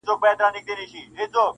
چي نجات له ابوجهله رانصیب کړي -